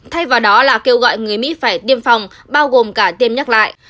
thay vào đó là kêu gọi người mỹ phải tiêm phòng bao gồm cả tiêm nhắc lại